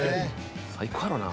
「最高やろうな。